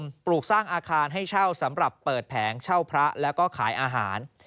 ปลูกสร้างอาคารให้เช่าสำหรับเปิดแผงเช่าพระแล้วก็ขายอาหาร